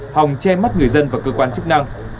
hòng che mắt người dân và cơ quan chức năng